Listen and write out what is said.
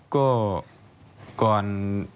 ก็ก่อน